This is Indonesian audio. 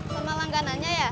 sama langganannya ya